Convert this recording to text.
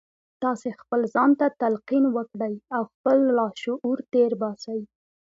تاسې ځان ته تلقین وکړئ او خپل لاشعور تېر باسئ